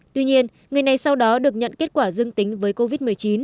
tuy nhiên người này sau đó được nhận kết quả dương tính với covid một mươi chín